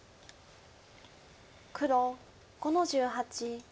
黒５の十八。